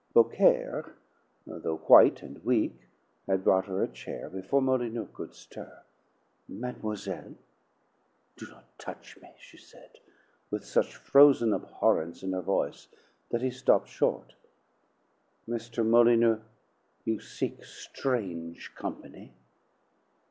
Beaucaire, though white and weak, had brought her a chair before Molyneux could stir. "Mademoiselle " "Do not touch me!" she said, with such frozen abhorrence in her voice that he stopped short. "Mr. Molyneux, you seek strange company!"